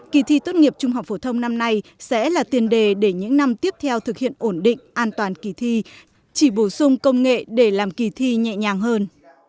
kỳ thi tốt nghiệp trung học phổ thông năm nay sẽ là tiền đề để những năm tiếp theo thực hiện ổn định an toàn kỳ thi chỉ bổ sung công nghệ để làm kỳ thi nhẹ nhàng hơn